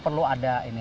perlu ada ini